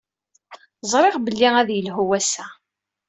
Ẓṛiɣ belli ad yelhu wass-a.